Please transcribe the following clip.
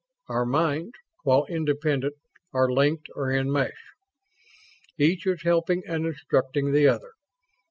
Our minds, while independent, are linked or in mesh. Each is helping and instructing the other.